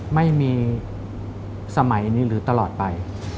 ไม่มีสมัยนี้หรือตลอดไป